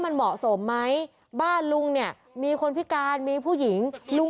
มันเหมาะสมไหมบ้านลุงเนี่ยมีคนพิการมีผู้หญิงลุง